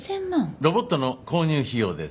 ロボットの購入費用です。